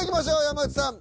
山内さん。